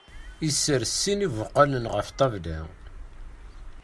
Isres sin n ibuqalen ɣef ṭṭabla.